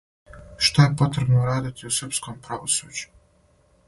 Шта је потребно урадити у српском правосуђу?